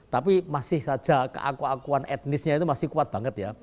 tapi masih saja keakuan akuan etnisnya itu masih kuat banget ya